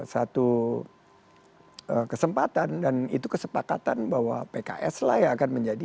satu kesempatan dan itu kesepakatan bahwa pks lah yang akan menjadi